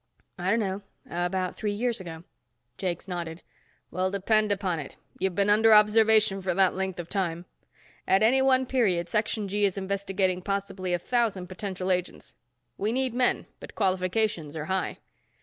"I don't know, about three years ago." Jakes nodded. "Well, depend on it, you've been under observation for that length of time. At any one period, Section G is investigating possibly a thousand potential agents. We need men but qualifications are high."